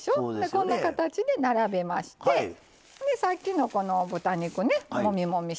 こんな形で並べましてさっきのこの豚肉ねもみもみしたやつ